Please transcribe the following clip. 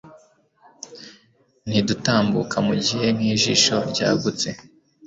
Ntidutambuka mugihe nkijisho ryagutse